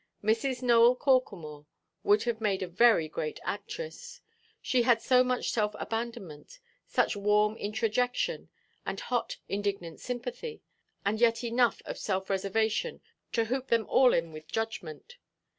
Mrs. Nowell Corklemore would have made a very great actress; she had so much self–abandonment, such warm introjection, and hot indignant sympathy; and yet enough of self–reservation to hoop them all in with judgment.